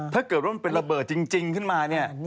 ถ้าเกิดว่ามันเป็นระเบิดจริงขึ้นมาเนี่ย